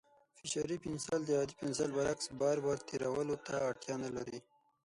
فشاري پنسل د عادي پنسل برعکس، بار بار تېرولو ته اړتیا نه لري.